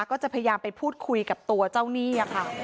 ก็จะพยายามไปพูดคุยกับตัวเจ้าหนี้ค่ะ